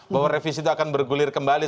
bahwa revisi itu akan bergulir kembali